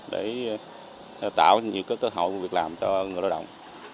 để tạo nhiều cái cơ hội cho người lao động